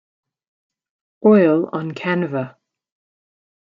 Oil On Canva.